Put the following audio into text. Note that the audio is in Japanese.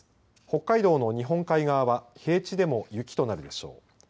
北海道の日本海側は平地でも雪となるでしょう。